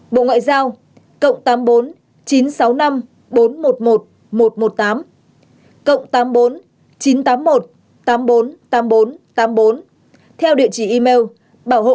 bộ ngoại giao